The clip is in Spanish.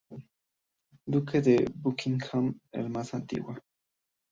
Duque de Buckingham, la más antigua.